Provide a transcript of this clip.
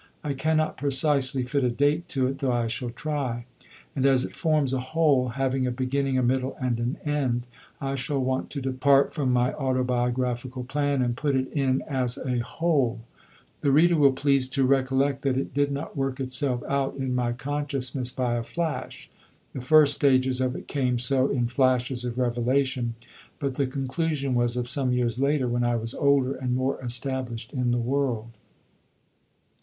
I cannot precisely fit a date to it, though I shall try. And as it forms a whole, having a beginning, a middle and an end, I shall want to depart from my autobiographical plan and put it in as a whole. The reader will please to recollect that it did not work itself out in my consciousness by a flash. The first stages of it came so, in flashes of revelation; but the conclusion was of some years later, when I was older and more established in the world.